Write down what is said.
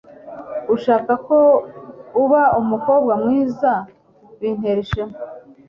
ushaka ko aba umukobwa mwiza, bintera ishema